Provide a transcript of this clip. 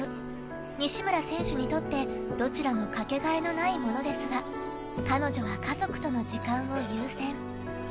西村選手にとって、どちらもかけがえのないものですが彼女は家族との時間を優先。